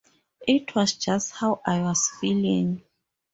It was just how I was feeling.